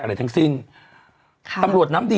อะไรทั้งสิ้นค่ะตำรวจน้ำดี